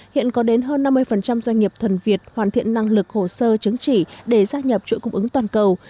hiện có đến hơn năm mươi doanh nghiệp thuần việt hoàn thiện năng lực hồ sơ chứng chỉ để gia nhập chuỗi cung ứng toàn cầu